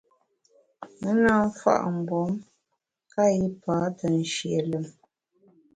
Me na mfa’ mgbom nka yipa te nshie lùm.